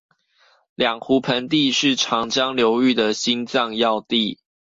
兩湖盆地是長江流域的心臟要地